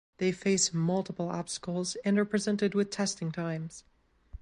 They face multiple obstacles and are presented with testing times.